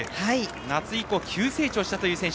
夏以降、急成長したという選手。